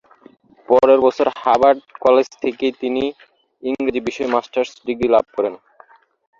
পরের বছর Harvard college থেকেই তিনি ইংরেজি বিষয়ে মাস্টার্স ডিগ্রি লাভ করেন।